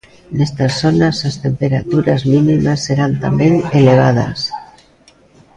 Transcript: Nestas zonas, as temperaturas mínimas serán tamén elevadas.